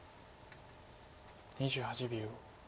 ２８秒。